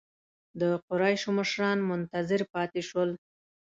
د قریشو مشران منتظر پاتې شول.